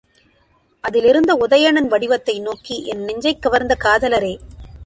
அதிலிருந்த உதயணன் வடிவத்தை நோக்கி, என் நெஞ்சைக் கவர்ந்த காதலரே!